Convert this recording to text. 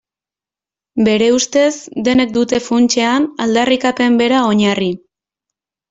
Bere ustez denek dute funtsean aldarrikapen bera oinarri.